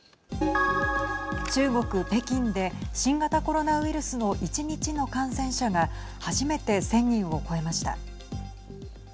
中国、北京で新型コロナウイルスの１日の感染者が初めて１０００人を超えました。